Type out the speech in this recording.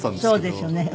そうですよね。